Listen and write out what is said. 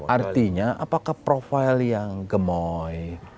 artinya apakah profil yang gemoy